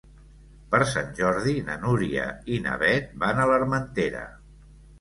Per Sant Jordi na Núria i na Beth van a l'Armentera.